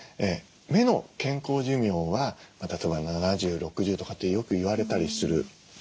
目の健康寿命は例えば７０６０とかってよく言われたりする。